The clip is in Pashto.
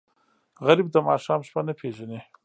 غریب د ماښام شپه نه پېژني